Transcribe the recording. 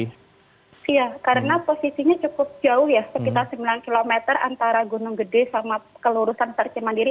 iya karena posisinya cukup jauh ya sekitar sembilan km antara gunung gede sama kelurusan sarce mandiri